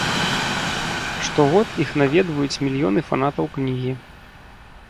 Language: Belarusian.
Штогод іх наведваюць мільёны фанатаў кнігі.